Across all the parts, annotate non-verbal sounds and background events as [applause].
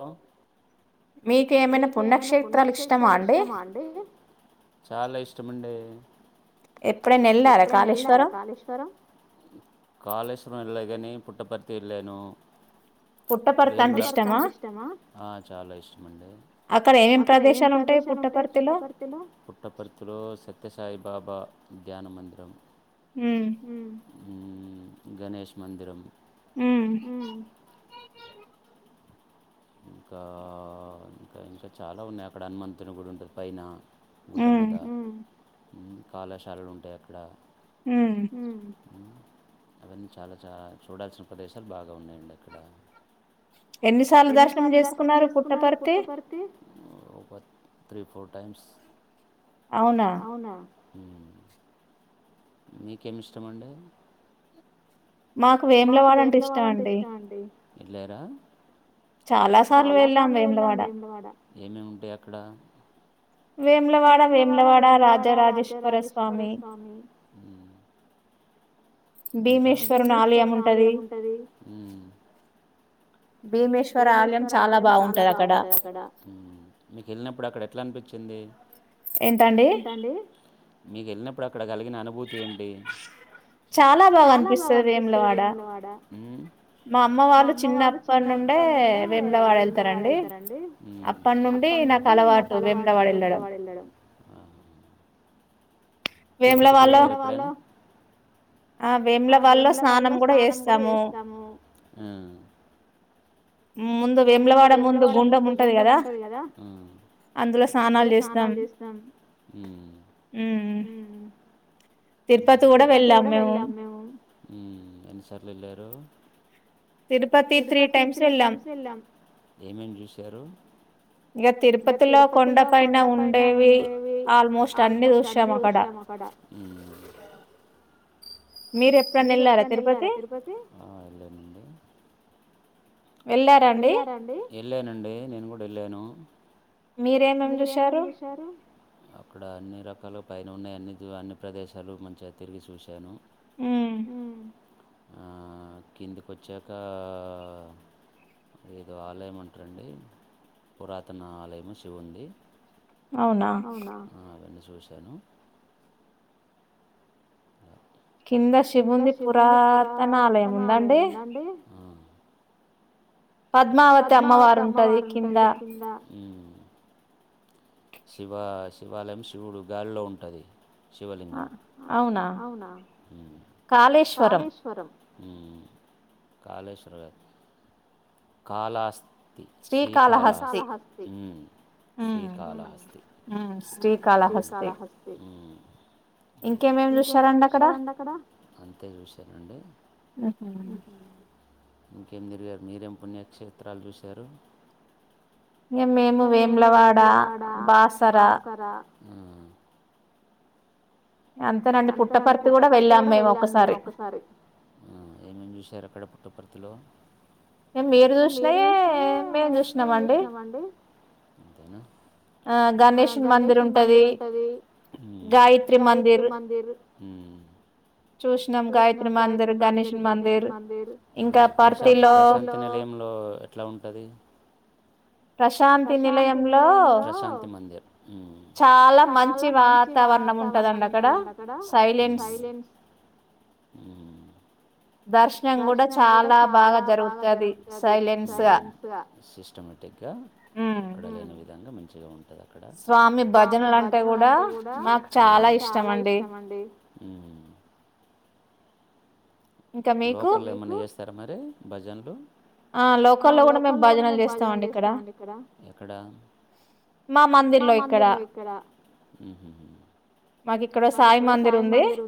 లో మీకేమైనా పుణ్యక్షేత్రాలు ఇష్టమా అండి చాలా ఇష్టమండి. ఎప్పుడైనా వెళ్ళారా కాళేశ్వరం కాళేశ్వరం వెళ్ళ కాని పుట్టపర్తి వెళ్ళాను పుట్టపర్తి అంటే ఇష్టమా ఆ చాలా ఇష్టం అండి అక్కడ ఏమేమ్ ప్రదేశాలుంటాయి పుట్టపర్తి లో పుట్టపర్తి లో సత్య సాయి అ బాబా ధ్యానమందిరం హ్మ్మ్ మ్ గణేష్ మందిరం ఊ ఇంకా ఇంకా ఇంకా చాలా ఉన్నాయి అక్కడ హనుమంతుని గుడి ఉంటది పైన పుట్ట మీద మ్ కాళాశాలలు ఉంటాయి అక్కడ హ్మ్మ్ అవన్నీ చాలా చా చూడాల్సిన ప్రదేశాలు బాగా ఉన్నాయండి అక్కడ ఎన్నిసార్లు దర్శనం చేసుకున్నారు పుట్టపర్తి ఆ ఒక త్రీ ఫోర్ టైమ్స్ అవునా ఊ మీకేమి ఇష్టం అండి మాకు వేముల వాడ అంటే ఇష్టం అండి వేళ్ళరా చాలా సార్లు వెళ్ళాం వేములవాడ ఏమేం ఉంటాయి అక్కడ వేములవాడ వేములవాడ రాజ రాజేశ్వర స్వామి ఇంకా భీమేశ్వరం ఆలయం ఉంటది ఉమ్ భీమేశ్వర ఆలయం చాలా బాగుంటది అక్కడ ఉమ్ మీకు వెళ్ళినప్పుడు అక్కడ ఎట్లా అనిపించింది ఏంటండి మీకు వెళ్ళినప్పుడు అక్కడ కలిగిన అనుభూతి ఏంటి చాలా బాగా అనిపిస్తుంది వేములవాడ ఉమ్ మా అమ్మ వాళ్ళు చిన్న అప్పటి నుండే వేములవాడ వెళ్తారండి ఉమ్ అప్పటి నుండి నాకు అలవాటు వేములవాడ వెళ్ళడం తిరుపతికి వెళ్లారా ఆ వేములవాళ్ళో స్నానం కూడా చేస్తాము ముందు వేములవాడ ముందు గుండెం ఉంటది కదా అందులో స్నానాలు చేస్తాం తిరుపతి కూడా ఉమ్ ఎన్నిసార్లు వెళ్ళారు తిరుపతి త్రీ టైమ్స్ వేలాం వెళ్ళాం ఎంఎం చూశారు ఈగ తిరుపతిలో కొండ పైన ఉండేవి ఆల్మోస్ట్ అన్ని చూసాం అక్కడ ఉమ్ మీరు ఎప్పుడనా వెళ్ళారా తిరుపతి ఆ వెళ్ళాం అండి వెళ్ళారంండి ఎళ్ళానండి నేను గూడా ఎళ్ళాను మీరేమేంమేం చూశారు అక్కడ అన్ని రకాల పైన ఉన్నాయి అన్ని అన్ని ప్రదేశాలు మంచిగా తిరిగి చూశాను ఉమ్ ఆ కిందికి వచ్చాక ఏదో ఆలయం అంటారంండి పురాతన ఆలయం శివుడిది అవునా చూశాను కింద శివుంది పురాతన ఆాలయం ఉందా అండి పద్మావతి అమ్మవారు ఉంటది కింద శివ శివాలయం శివుడు గాలిలో ఉంటది శివలింగం అవునా ఉ కాళేశ్వరం ఊ కాలేశ్వరం గాదు కాళహస్ తి శ్రీకాళహస్తి శ్రీ శ్రీకాళహస్తి ఇంకేమేమి చూసారండి అక్కడ ఊహు ఇంకేం తిరిగారు మీరేం పుణ్యక్షేత్రాలు చూశారు ఇంగేమ్ మేము వేములవా వేములవాడ బాసర ఉ ఎమేమి చూశారు అక్కడ పుట్టపర్ ర్తిలో మీరు చూసినాయె మేము చూసినామ అండి అవునా ఆ గణేశ మందిర్ ఉంటది గాయత్రి మందిర్ త్రిమందిర్ ప్రశాంత్ ప్రశాంత్ నిలయంలో ఎట్లా ఉంటది ప్రశాంతి మందిర్ ఉ ఉ ఉ ఉమ్ సిస్టమాటిక్ గా ఎక్కడ లేని విధంగా మంచిగా ఉం స్వామి భజనలు అంటే గూడా నాకు చాలా ఇష్టం అండి అ లోకల్ లొ ఏమన్నా చేస్తారా మరి అంటే బజన్లు ఆ లోకల్లో కూడా మేము భోజనాలు చేస్తామండి ఇక్కడ మా మందిర్ లో ఇక్కడ [inaudible] ఉ అలాగ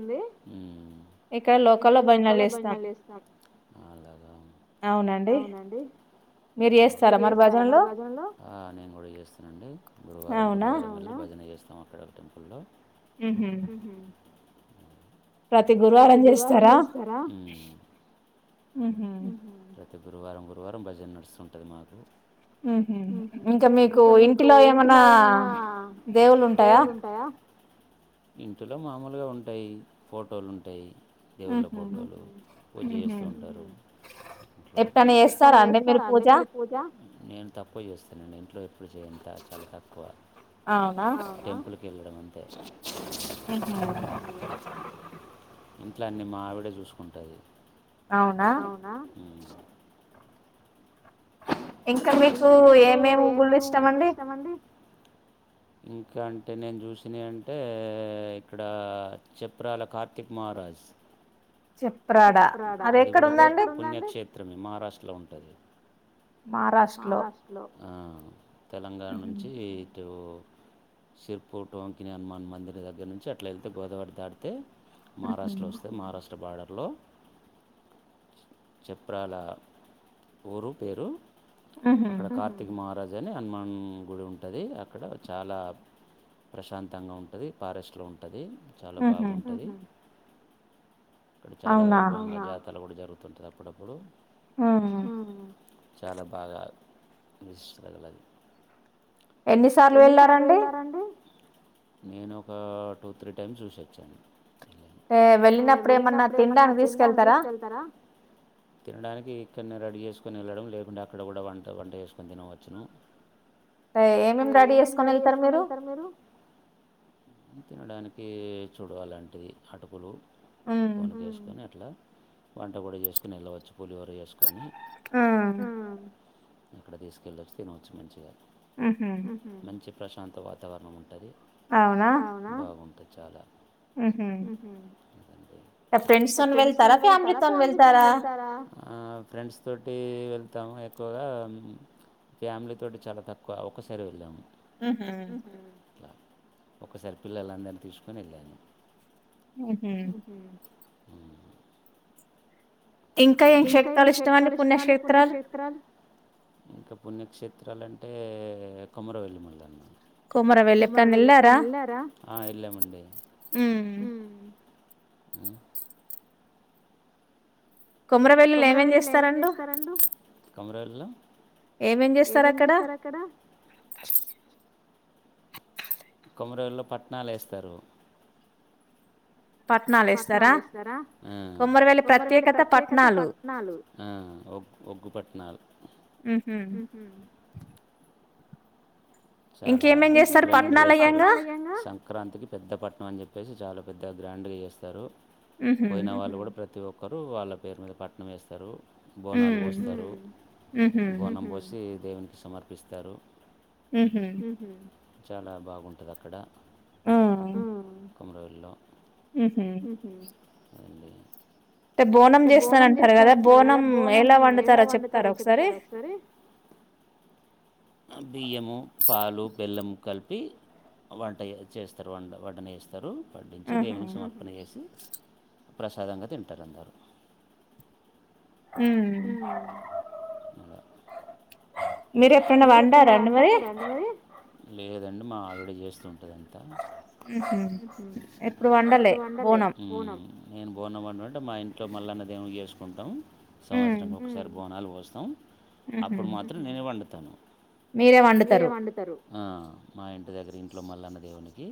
ఒకే ఆ నేను గూడ చేస్తానండి గురువారం గురువారం భజనలు చేస్ మేమక్కడ టెంపుల్లో ఉహు ప్రతి గురువారం చేస్తారా ఉహు అయితే గురువారం గురువారం భజన్న నడుస్తుంటుంది మాకు ఇంకా మీకు ఇంటిలో ఏమనా దేవులు ఉంటయా ఇంటిలో మామూలుగా ఉ టయి ఫోటోలు ఉంటాయి టయి దేవుళ్ళ ఫోటోలు పూజ చేస్తూ ఉంటారు ఎప్పుడైన చేస్తారా అ మీర్ పూజ నేను తక్కువ చేస్తానండి ఇంట్లో ఎప్పుడు చేయంత చాలా తక్కువ టెంపుల్కి వెళ్ళడం అంతే ఇంట్లో అన్నీ మావిడే చూసుకుంటది అవున ఇంక మీకు ఏమేమి గుళ్ళు ఇష్టమండి ఇంక అంటే నేను చూసిన అంటే ఇక్కడ చెపురాల కార్తీక్ మహారాజ్ అది కూడ ఒక పుణ్యక్షేత్రమే మహారాష్ట్రలో ఉంటది మరాష్ట్ర లో ఆ తెలంగాణ నుంచి ఇటూ సిర్ప ోంకిని హనుమాన్ మందిర్ దగ్గర నుంచి అట్ల వెళ్తే గోదావరి దాటితే మహారాష్ట్రలో వస్తే మహారాష్ట్ర బార్డర్ లో చెప్రాల ఊరు పేరు అక్కడ కార్తీక్ మహారాజ్ వెళ్తేనే హనుమాన్ గుడి ఉంటుంది అక్కడ చాలా ప్రశాంతంగా ఉంటుంది ఫారెస్ట్లో ఉంటుంది చాలా బాగుంటాది ఇక్కడ చాలా వైభవంగా జాతాలు కూడా జరుగుత అప్పుడప్పుడు [unintelligible] ఊహు చాల బాగ విశ్కలది ఎన్నిసార్లు వెళ్లారండి నేను ఒక టూ త్రీ టైమ్స్ చూసొచ్చాను వెళ్ళినప్పుడు ఏమన్నా తిన్డానికి తీసుకెళ్తార తిన్డానికి ఇక్కన్నే రెడీ చేసుక్ తిసుకుని వెళ్ళడం లేకుంటే అక్కడ కూడా వంట వంట చేసుకొని తినవచ్చును ఏ ఏమేమి రెడీ చేసుకొని వెళ్తారు మీరు తినడానికి చూడలంటే అటుకులు బోజనం చుసుకొని అట్లా వంట కూడ చేసుకొని వెళ్ళవచ్చు పులిహోరా చేసుకొని హ్మ్మ్. అక్కడ తీస్కెలొస్తే, నోట్స్ మంచిగా రాయ్. ఉహూ, మంచఫ్. ప్రశాంత వాతావరణం ఉంటాది. అవునా? బాగుంటది. చాలా. ఉహూ, [unintelligible] లేదండి. ఫ్రెండ్స్‌తోన్ వెళ్తరా? ఫ్యామిలీతోన్ వెళ్తరా? ఆ, ఫ్రెండ్స్ తోట. ఎ వెళ్తము, ఎక్కువగా ఫ్యామిలీ తోటి చాలా తక్కువ. ఒసారి వెళ్లము. ఉహూ. ట్లా, ఒక్క సారి పిల్లలందరినీ తీసుకని వెళ్లను. ఉహూ. ఇంకా, ఏం క్షేత్రాలు ఇష్టం అండి పుణ్యక్షేత్రాలు? పుణ్యక్షేత్రాలంటే కొమ్మర వెళ్లి మల్ల అన్నా. కుమర వెళ్లి. ఎప్పుడన్నా వెళరా? అ వెళ్లమండి. హ్మ్మ్. కొమరవెల్లులు ఏమేం జేస్తారండు? కొమరవెల్లులో. ఏమేం జేస్తరు అక్కడ? [unintelligible] కొమరవెల్లిలో, పట్నాలు ఏస్తారు. పట్నాలు ఏస్తారా? ఆ కొమరవెల్లి ప్రత్యేకత పట్నాలు. ఒగు పట్నాలు. ఉహుమ్. చాలా గ్రాండ్‌గా జేస్తరు. సంక్రాంతికి పెద్ద పట్నం అని జెప్పేసి, చాలా పెద్ద. పెద్ద గ్రాండ్ గా జేస్తరు. పోయిన వాళ్ళు కూడా, ప్రతి ఒక్క. ఒకరు, వాళ్ల పేరు మీద పట్నం వేస్తారు. బోనాలు పోస్తారు. బోనం పోసి. దేవునికి సమర్పిస్తారు. ఉహుమ్. చాలా బాగుంటది అక్కడ. హ్మ్మ్. కొమరవెల్లిలో. ఉహు. అంటే బోనం చేస్తానంటారు కదా? బోనం ఎలా వండుతారో చెప్తారా ఒకసారి? బియ్యము, పాలు, బెల్లము కలిపి. పి ఆ వంట చేస్తారు వంట వంటన చేస్తారు వడ్డించి దేవునికి సమర్పణ చేసి ప్రసాదంగా తింటారు అందరు ఉ మీరు ఎప్పుడనా వండారండీ మరి లేదండి మా ఆవిడ చేస్తుంది ఇప్పుడు వండలే బోనం నేను బోనం వండుంటే మా ఇంట్లో మల్లన్న దేవుని చేసుకుంటాము సంవత్సరానికి ఒకసారి బోనాలు వస్ తం అప్పుడు మాత్రం నేనే వండు తను మీరే వండుతరు మా ఇంటి దగ్గర ఇంట్లో మల్లన్న దేవునికి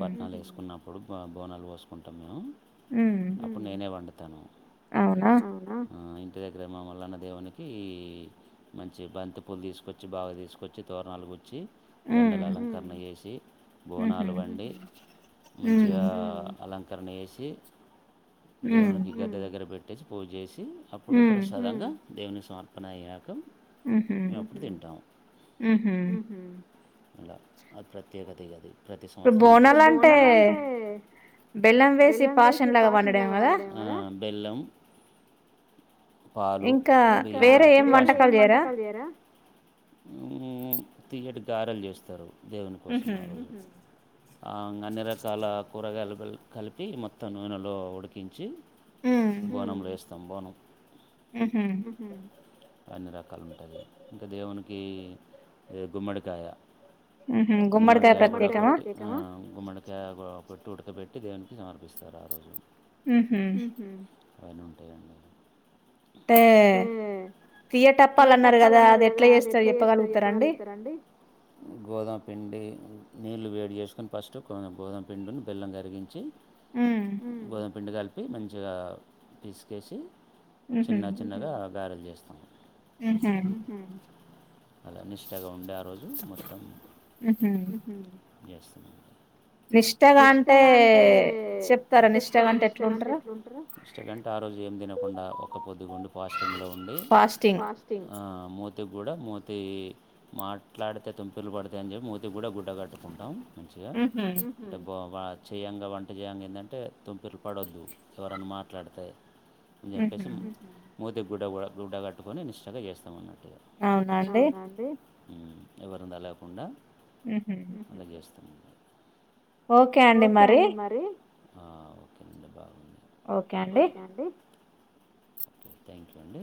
పట్నాలు వేసుకున్నాం రుబ్బా బోనాలు పోసుకుంటాం మేము అప్పుడు నేనే వండు తను అవునా ఇంటి దగ్గర మామలు అన్న దేవునికి మంచి బంతి పూలు తీసుకొచ్చి బాగా తీసుకొచ్చి తోరణాలు గుచ్చి దండల అలంకరణ చేసి బోనాలు వండి మంచిగా అలంకరణ చేసి దవుడు నీకీ బెటే కట్టేసి పూజ చేసి అప్పుడు ప్రసాదంగా దేవుని సమర్పణ అయాకం మేము ఎప్పుడు తింటాము అలా అది ప్రత్యేకతగా అది ప్రతి సంవత్సరం ను ఇ బోనాలంటే బెల్లం వేసి పాషన్ లాగా వండడం బెల్లం పాలు ఇంకా ఏం వంటకాలు తీయార కారలు చేస్తారు దేవుని కోసం ఆ రజ అన్ని రకాల కూరగాయలు కలిపి మొత్తం నూనెలో ఉడికించి బనం రెస్ సంభవనుం అన్ని రకాలు ఉంటాయి ఇంకా దేవునికి గుమ్మడికాయ గుమ్మడికాయ కూడా గుమ్మడి కొట్టి ఉడకబెట్టి దేవునికి సమర్పిస్తారు ఆ రోజు హ అవన్నీ ఉంటాయండి పియటప్పాలన్నారు కదా అది ఎట్లా చేస్తారు చెప్పగలుగుతారండి గోధామ పండి నీళ్ళు వేడి చేసుకకుని ఫస్ట్ కొ బ గోదమ పపిండుని బెల్లం కరిగించి గోధుమ పిడి కల్పి చెప్పి మంచిగా తీసుకేసి చిన్న చిన్నగా గ్యారేజ్ చేస్తంది ఆహా అలా నిష్టగా ఉండే రజు మొత్తం వస్తనండి నిష్టగా అంటే చెప్తారా నిష్టగా అంటే ఎట్లు ఉంటారా ఇష్టకంటే ఆ రజు ఏం తినం కాకుండా ఒక పొద్దు ఫాస్టింగ్ లో ఉండి ఫాస్టింగ్ ఆ మూతకి కూడా మూతి మాట్లాడితే తుంపిలు పడతాయ అని చెప్పి మూతి కూడా గు అడగట్టుకుంటాం మంచిగా ఉహు అంటే బా వా చేయ్యంగా వంట చేయంగా ఏంటంటే తుంపిలు పడొద్దు ఎవరనా మాట్లాడితే అందరి కోసం మూతి గుడ్డ గుడ్డ కట్టుకని నిష్టగా చేస్తామని అవునాండి ఉ ఎవరుండా లేకుండా అలా చేస్తాను ఓకే అండి మరి ఆ ఓకే అండి బా ఓకే అండి ఓకే థ్యాంక్ యూ అండి